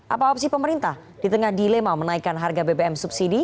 apa opsi pemerintah di tengah dilema menaikan harga bbm subsidi